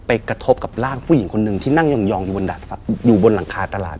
กระทบกับร่างผู้หญิงคนหนึ่งที่นั่งยองอยู่บนอยู่บนหลังคาตลาด